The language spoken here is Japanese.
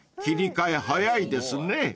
切り替え早いですね］